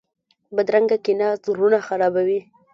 بدرنګه کینه زړونه خرابوي